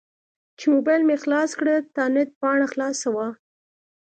چې موبایل مې خلاص کړ تاند پاڼه خلاصه وه.